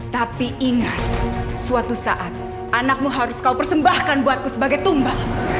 tapi ingat suatu saat anakmu harus kau persembahkan buatku sebagai tumbal